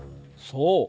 そう。